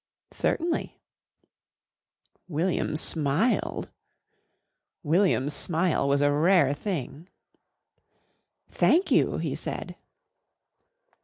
"Certainly." William smiled. William's smile was a rare thing. "Thank you," he said.